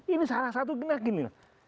ini salah satu gini